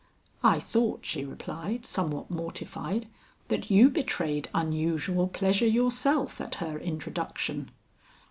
"I thought," she replied somewhat mortified, "that you betrayed unusual pleasure yourself at her introduction."